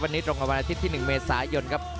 วันนี้ตรงกับวันอาทิตย์ที่๑เมษายนครับ